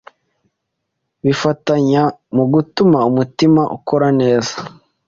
bifatanya mu gutuma umutima ukora neza